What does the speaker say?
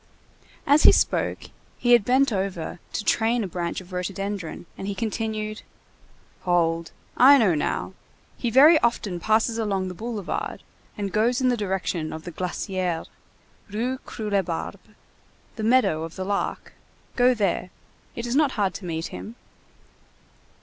As he spoke, he had bent over to train a branch of rhododendron, and he continued:— "Hold, I know now. He very often passes along the boulevard, and goes in the direction of the Glacière, Rue Croulebarbe. The meadow of the Lark. Go there. It is not hard to meet him."